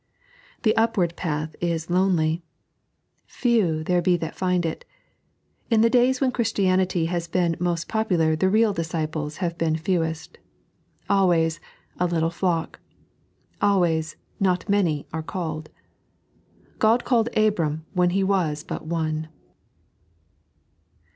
The vpwaard path is lonely/. Few there be that find it. In the days when Christianity has been most popular the real disciples have been fewest. Always " a little flock." Always " not many " are called. Qod called Abram when he was but one.